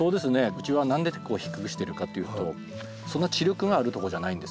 うちは何でこう低くしてるかっていうとそんな地力があるとこじゃないんですよ。